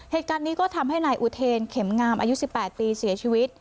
เหตุการณ์นี้ก็ทำให้นายอุเทนเข็มงามอายุ๑๘ปีเสียชีวิต